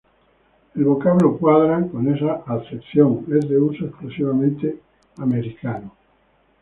El vocablo "cuadra", con esta acepción, es de uso exclusivamente americano.